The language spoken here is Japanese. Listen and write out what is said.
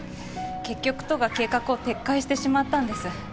結局都が計画を撤回してしまったんです。